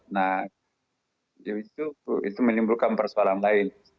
nah itu menimbulkan persoalan lain